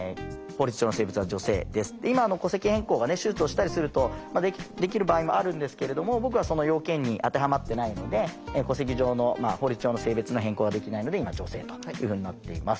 今戸籍変更が手術をしたりするとできる場合もあるんですけれども僕はその要件に当てはまってないので戸籍上の法律上の性別の変更はできないので今女性というふうになっています。